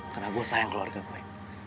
karena gue sayang keluarga gue